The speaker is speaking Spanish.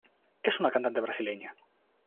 Es una cantante brasileña.